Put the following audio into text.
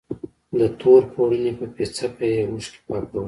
د تور پوړني په پيڅکه يې اوښکې پاکولې.